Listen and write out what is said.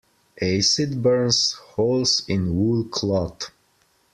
Acid burns holes in wool cloth.